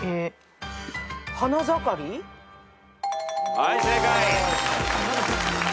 はい正解。